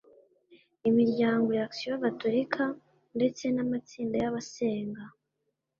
imiryango y’action Gatolika ndetse n’amatsinda y’abasenga